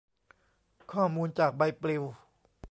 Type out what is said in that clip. ข้อมูลจากใบปลิว